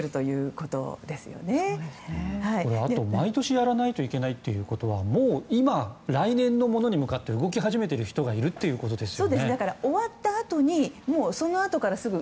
あと、毎年やらないといけないということは、もう今来年のものに向かって動き始めている人がいるということですよね。